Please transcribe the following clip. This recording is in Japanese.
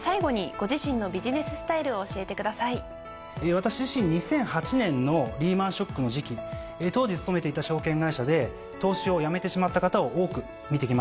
私自身２００８年のリーマンショックの時期当時勤めていた証券会社で投資をやめてしまった方を多く見てきました。